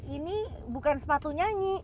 ini bukan sepatu nyanyi